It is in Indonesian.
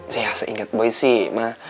saya seinget boy sih ma